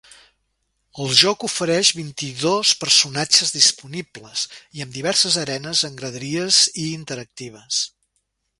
El joc ofereix vint-i-dos personatges disponibles, i amb diverses arenes amb graderies i interactives.